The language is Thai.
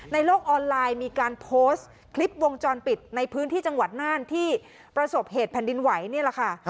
โลกออนไลน์มีการโพสต์คลิปวงจรปิดในพื้นที่จังหวัดน่านที่ประสบเหตุแผ่นดินไหวนี่แหละค่ะ